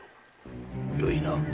よいな。